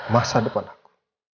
masa depan aku